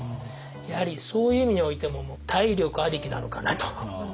やはりそういう意味においても体力ありきなのかなと。